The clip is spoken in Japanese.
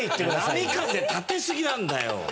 波風立てすぎなんだよ。